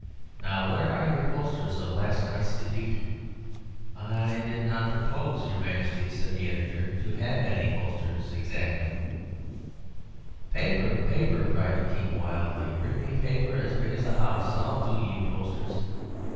"Now, where are your posters of last night's defeat?" "I did not propose, your Majesty," said the Editor, "to have any posters exactly " "Paper, paper!" cried the King, wildly; "bring me paper as big as a house. I'll do you posters.